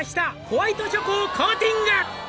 「ホワイトチョコをコーティング」